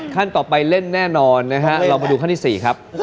ขั้นต่อไปเล่นแน่นอนเรามาตรงขั้นที่สี่